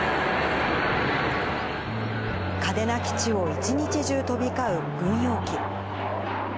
嘉手納基地を一日中飛び交う軍用機。